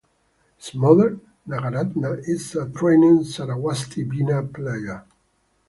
His mother, Nagaratna, is a trained Saraswati Veena player.